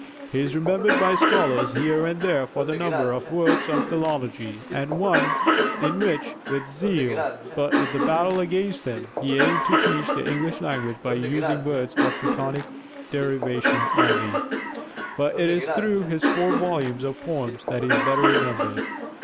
He is remembered by scholars here and there for a number of works on philology, and one ('Outline of English Speech Craft') in which, with zeal, but with the battle against him, he aimed to teach the English language by using words of Teutonic derivation only; but it is through his four volumes of poems that he is better remembered.